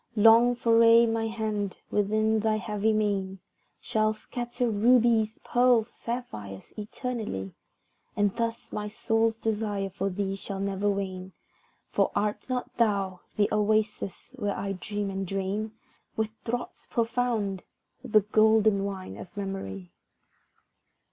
Long foraye my hand, within thy heavy mane, Shall scatter rubies, pearls, sapphires eternally, And thus my soul's desire for thee shall never wane; For art not thou the oasis where I dream and drain With draughts profound, the golden wine of memory?